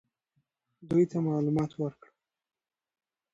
دوی ته معلومات ورکړه.